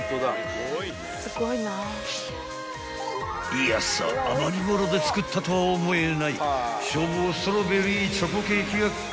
［いやさ余り物で作ったとは思えない消防ストロベリーチョコケーキが完成］